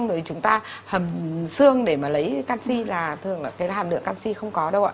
rồi chúng ta hầm xương để mà lấy canxi là thường là cái hàm lượng canxi không có đâu ạ